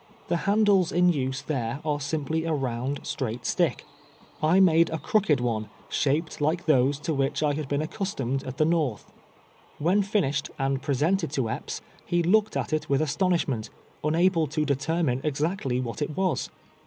The handles in nse tliere are simply a round, straight stick. I made a crooked one, shaped like those to which I had been accustom ed at the North. "When finished, and presented to Epps, he looked at it with astonishment, unable to determine exactly what it was.